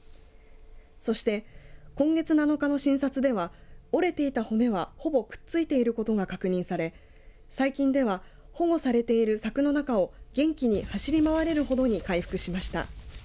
そして、今月７日の診察では折れていた骨はほぼくっついていることが確認され最近では保護されている柵の中を元気に走り回れるほどに回復しました。